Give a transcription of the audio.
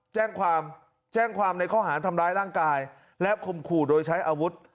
แจ้งความแจ้งความในข้อหารทำร้ายร่างกายและข่มขู่โดยใช้อาวุธ